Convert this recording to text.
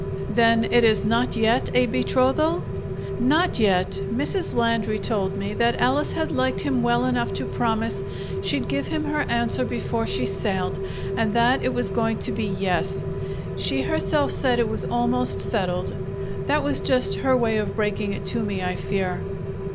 "Then it is not yet a betrothal?" "Not yet. Mrs. Landry told me that Alice had liked him well enough to promise she'd give him her answer before she sailed, and that it was going to be yes. She herself said it was almost settled. That was just her way of breaking it to me, I fear."